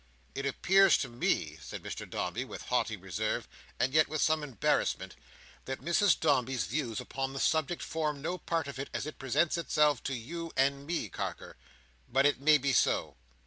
"It appears to me," said Mr Dombey, with haughty reserve, and yet with some embarrassment, "that Mrs Dombey's views upon the subject form no part of it as it presents itself to you and me, Carker. But it may be so."